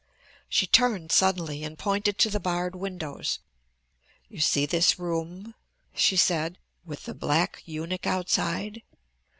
She turned suddenly and pointed to the barred windows. "You see this room," she said, "with the black eunuch outside?